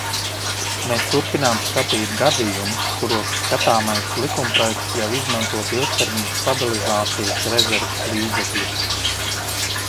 Mēs turpinām skatīt gadījumus, kuros skatāmais likumprojekts ļauj izmantot ilgtermiņa stabilizācijas rezerves līdzekļus.